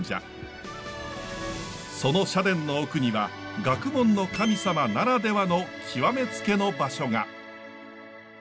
その社殿の奥には学問の神様ならではの極めつけの場所が。